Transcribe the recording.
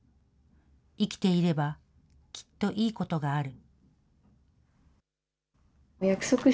生きていれば、きっといいことがある。